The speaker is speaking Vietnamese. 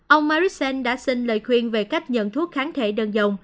ông marissen đã xin lời khuyên về cách nhận thuốc kháng thể đơn dòng